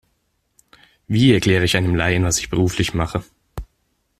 Wie erkläre ich einem Laien, was ich beruflich mache?